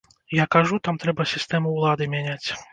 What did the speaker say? Я кажу, там трэба сістэму ўлады мяняць.